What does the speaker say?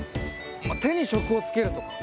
手に職をつけるとか？